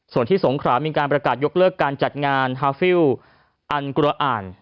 ส่วนที่สงขรามีการประกาศยกเลิกการจัดงานฮาฟิลอันกุรอ่าน